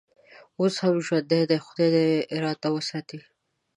اوس هم ژوندی دی، خدای دې راته وساتي.